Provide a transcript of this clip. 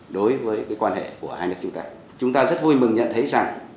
đối với quan hệ của hai nước chúng ta chúng ta rất vui mừng nhận thấy rằng